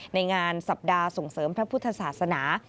ในงานสัปดาห์ส่งเสริมพระพุทธศาสนา